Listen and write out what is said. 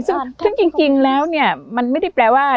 ซึ่งจริงแล้วมันไม่ได้แปลว่า